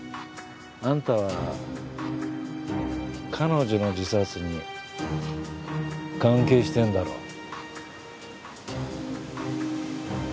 アンタは彼女の自殺に関係してんだろ。